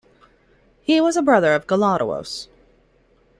He was a brother of Gelawdewos.